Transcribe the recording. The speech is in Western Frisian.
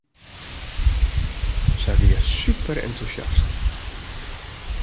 Sy wie superentûsjast.